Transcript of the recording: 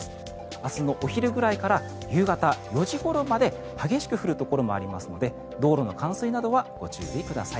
明日のお昼ぐらいから夕方４時ごろまで激しく降るところもありますので道路の冠水などはご注意ください。